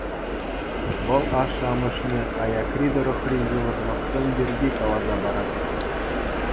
Вӑл ашшӗ-амӑшне аякри тӑрӑхри йывӑрлӑхсем пирки каласа парать.